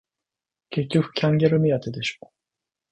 結局キャンギャル目当てでしょ